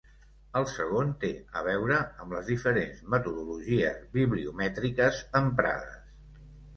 El segon té a veure amb les diferents metodologies bibliomètriques emprades.